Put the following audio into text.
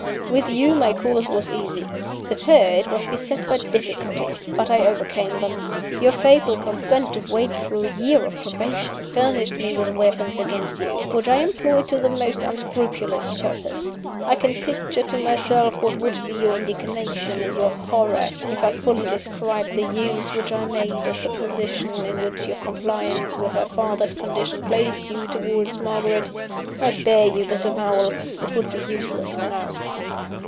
With you my course was easy with her it was beset by difficulties; but I overcame them. Your fatal consent to wait through a year of probation, furnished me with weapons against you, which I employed to the most unscrupulous purpose. I can picture to myself what would be your indignation and your horror, if I fully described the use which I made of the position in which your compliance with her father's conditions placed you towards Margaret. I spare you this avowal it would be useless now.